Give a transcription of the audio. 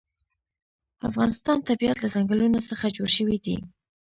د افغانستان طبیعت له ځنګلونه څخه جوړ شوی دی.